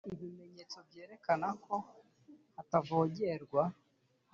Ibimenyetso byerekana ko hatavogerwa